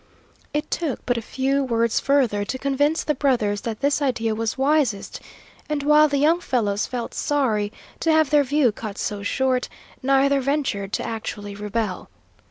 It took but a few words further to convince the brothers that this idea was wisest, and while the young fellows felt sorry to have their view cut so short, neither ventured to actually rebel.